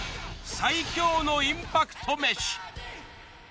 最強のインパクト飯！